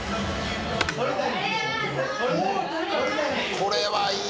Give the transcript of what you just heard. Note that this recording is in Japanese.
これはいいね！